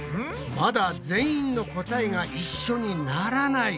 まだ全員の答えが一緒にならない。